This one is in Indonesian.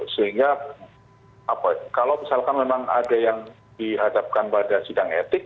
sehingga kalau misalkan memang ada yang dihadapkan pada sidang etik